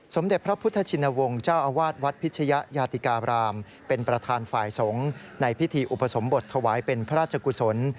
สมเด็จพระพุทธชินวงศ์เจ้าอาวาสวัดพิชยะยาติการามเป็นประธานฝ่ายสงฆ์ในพิธีอุปสมบทถวายเป็นพระราชกุศล